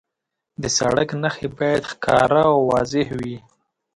د سړک نښې باید ښکاره او واضح وي.